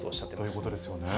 ということですよね。